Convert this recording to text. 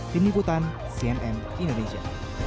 diniputan cnn indonesia